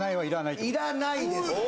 いらないです